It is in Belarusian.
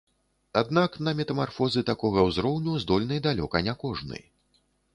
Аднак на метамарфозы такога ўзроўню здольны далёка не кожны.